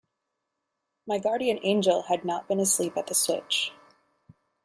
My guardian angel had not been asleep at the switch.